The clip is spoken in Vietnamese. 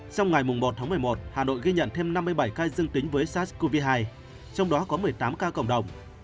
trong ngày một tháng một mươi một hà nội ghi nhận thêm năm mươi bảy ca dương tính với sars cov hai trong đó có một mươi tám ca cộng đồng